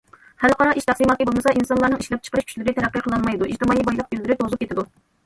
خەلقئارا ئىش تەقسىماتى بولمىسا، ئىنسانلارنىڭ ئىشلەپچىقىرىش كۈچلىرى تەرەققىي قىلالمايدۇ، ئىجتىمائىي بايلىق گۈللىرى توزۇپ كېتىدۇ.